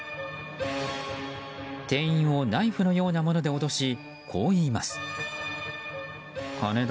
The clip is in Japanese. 店員をナイフのようなもので脅しこう言います。